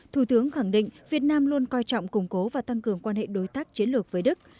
thủ tướng khẳng định việt nam luôn coi trọng củng cố và tăng cường quan hệ đối tác chiến lược với đức